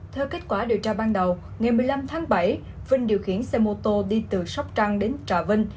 theo kết quả điều tra ban đầu ngày một mươi năm tháng bảy vinh điều khiển xe mô tô đi từ sóc trăng đến trà vinh